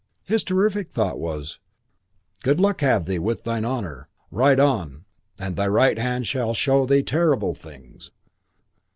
His terrific thought was, "Good luck have thee with thine honour; ride on ... and thy right hand shall show thee terrible things."